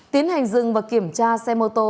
tiến hành dừng và kiểm tra xe mô tô